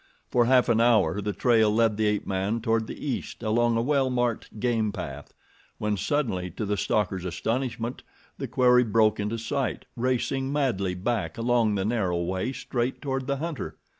For half an hour the trail led the ape man toward the east along a well marked game path, when suddenly, to the stalker's astonishment, the quarry broke into sight, racing madly back along the narrow way straight toward the hunter.